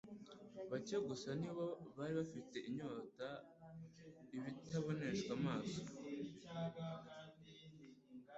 Bake gusa ni bo bari bafitiye inyota ibitaboneshwa amaso.